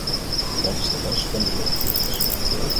Dat is de les van de eurocrisis.